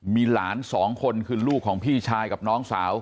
มีหลานสองคนคือลูกของพี่ชายกับน้องสาว